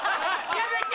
やめて！